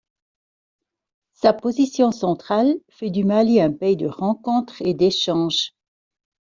Sa position centrale fait du Mali un pays de rencontres et d'échanges.